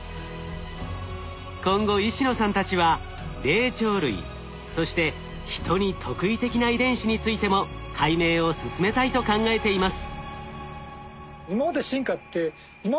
今後石野さんたちは霊長類そしてヒトに特異的な遺伝子についても解明を進めたいと考えています。